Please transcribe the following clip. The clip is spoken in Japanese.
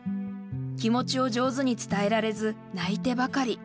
気持ちを上手に伝えられず、泣いてばかり。